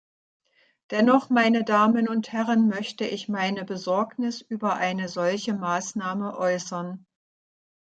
Dennoch, meine Damen und Herren, möchte ich meine Besorgnis über eine solche Maßnahme äußern.